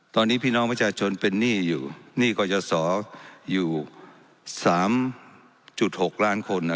ตอนนี้พี่น้องประชาชนเป็นหนี้อยู่หนี้กรยาศรอยู่๓๖ล้านคน